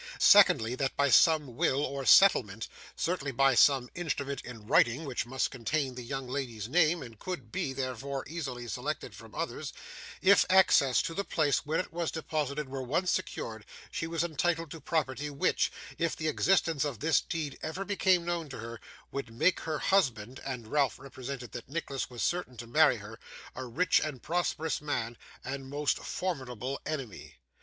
Secondly, that by some will or settlement certainly by some instrument in writing, which must contain the young lady's name, and could be, therefore, easily selected from others, if access to the place where it was deposited were once secured she was entitled to property which, if the existence of this deed ever became known to her, would make her husband (and Ralph represented that Nicholas was certain to marry her) a rich and prosperous man, and most formidable enemy.